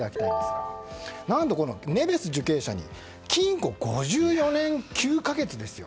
何と、ネベス受刑者に禁固５４年９か月ですよ。